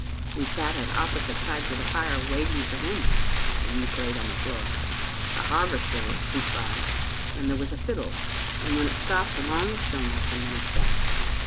We sat at opposite sides of the fire, waiting for him, and you played on the floor. The harvesters trooped by, and there was a fiddle ; and when it stopped, long stillness, and then a step.